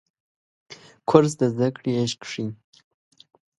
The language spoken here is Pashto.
کورس د زده کړې عشق ښيي.